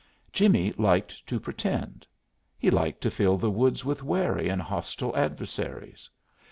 Jimmie liked to pretend. He liked to fill the woods with wary and hostile adversaries.